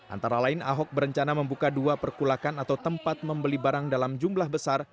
antara lain ahok berencana membuka dua perkulakan atau tempat membeli barang dalam jumlah besar